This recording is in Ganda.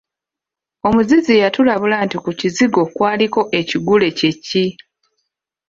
Omuzizi yatulabula nti ku kizigo kwaliko ekigule kye ki?